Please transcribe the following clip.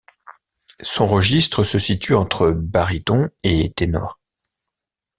Son registre se situe entre baryton et ténor.